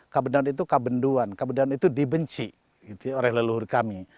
kabendon itu kabenduan kabendon itu dibenci oleh leluhur kami